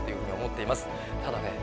ただね